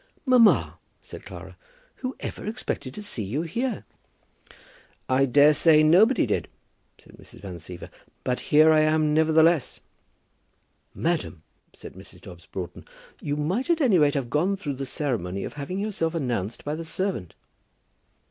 "Mamma," said Clara, "who ever expected to see you here?" "I daresay nobody did," said Mrs. Van Siever; "but here I am, nevertheless." "Madam," said Mrs. Dobbs Broughton, "you might at any rate have gone through the ceremony of having yourself announced by the servant."